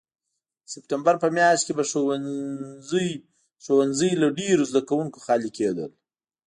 د سپټمبر په میاشت کې به ښوونځي له ډېرو زده کوونکو خالي کېدل.